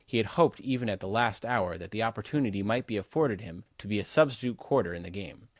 He had hoped even at the last hour that the opportunity might be afforded him to be a substitute quarter in the game.